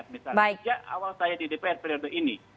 misalnya sejak awal saya di dpr periode ini